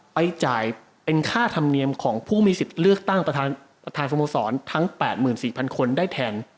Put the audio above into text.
ไปจ่ายเป็นค่าธรรมเนียมของผู้มีสิทธิ์เลือกตั้งประธานสโมสรทั้ง๘๔๐๐คนได้แทน